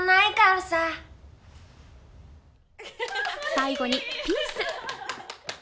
最後にピース。